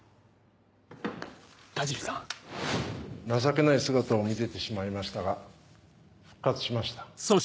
情けない姿を見せてしまいましたが復活しました。